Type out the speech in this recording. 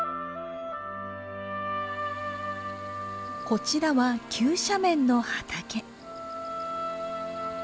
こちらは急斜面の畑。